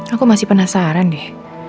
aku masih penasaran deh